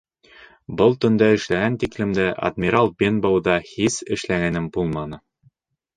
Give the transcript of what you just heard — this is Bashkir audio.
Был төндә эшләгән тиклемде «Адмирал Бенбоу»ҙа һис эшләгәнем булманы.